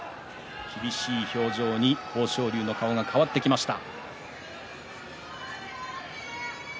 厳しい表情に豊昇龍の顔が変わってきました。